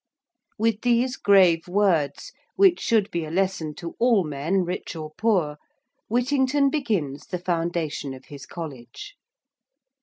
With these grave words, which should be a lesson to all men, rich or poor, Whittington begins the foundation of his College.